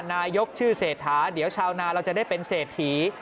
นายกชื่อเศรษฐาเดี๋ยวชาวนาเราจะได้เป็นเศรษฐี